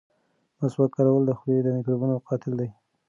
مسواک کارول د خولې د میکروبونو قاتل دی.